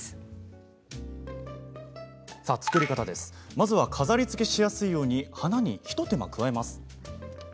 まずは、飾りつけしやすいように花に一手間加えます。